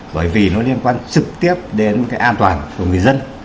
bởi vì nó liên quan trực tiếp đến cái an toàn của người dân